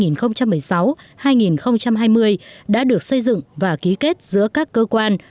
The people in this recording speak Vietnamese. năm hai nghìn hai mươi đã được xây dựng và ký kết giữa các cơ quan